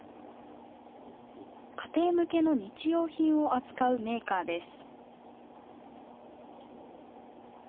家庭向けの日用品を扱うメーカーです。